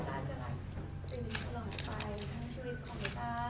ทั้งชีวิตของริต้า